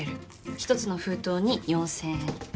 一つの封筒に４，０００円。